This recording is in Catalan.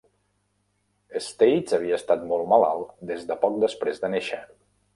States havia estat molt malalt des de poc després de néixer.